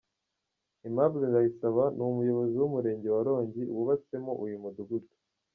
Aimable Ndayisaba ni umuyobozi w'umurenge wa Rongi wubatsemo uyu mudugudu.